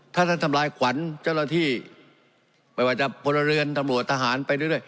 ถ้าท่านทำลายขวัญเจ้าหน้าที่ไม่ว่าจะพลเรือนตำรวจทหารไปเรื่อย